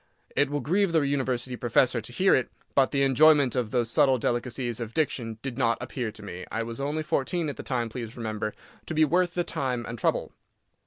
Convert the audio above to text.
It will grieve the University professor to hear it, but the enjoyment of those subtle delicacies of diction did not appear to me—I was only fourteen at the time, please remember—to be worth the time and trouble.